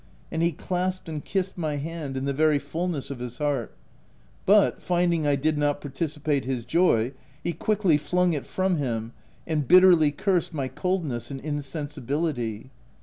and he clasped and kissed my hand in the very fulness of his heart ; but, finding I did not participate his joy, he quickly flung it from him, and bitterly cursed my coldness and insensibility.